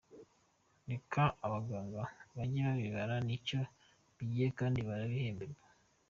Reka abaganga bajye babibara nicyo bigiye kandi barabihemberwa.